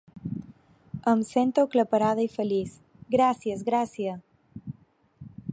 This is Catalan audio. Em sento aclaparada i feliç: gràcies Gràcia!